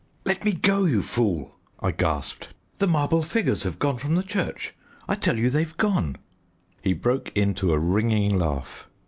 "Let me go, you fool," I gasped. "The marble figures have gone from the church; I tell you they've gone." He broke into a ringing laugh.